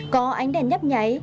có ánh đèn nhấp nháy